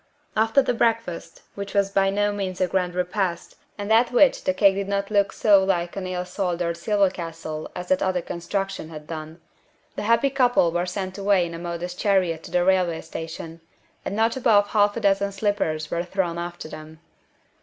After the breakfast, which was by no means a grand repast and at which the cake did not look so like an ill soldered silver castle as that other construction had done, the happy couple were sent away in a modest chariot to the railway station, and not above half a dozen slippers were thrown after them.